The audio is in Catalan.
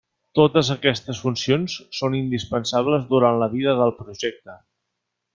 Totes aquestes funcions són indispensables durant la vida del projecte.